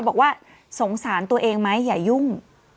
บอกว่าสงสารตัวเองไหมอย่ายุ่ง